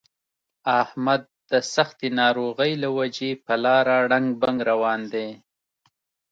احمد د سختې ناروغۍ له وجې په لاره ړنګ بنګ روان دی.